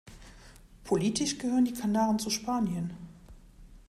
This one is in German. Politisch gehören die Kanaren zu Spanien.